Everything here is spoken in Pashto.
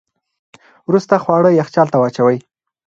وروسته خواړه یخچال ته واچوئ.